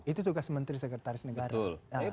itu tugas menteri sekretaris negara